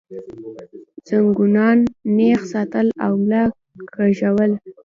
زنګونان نېغ ساتل او ملا کږول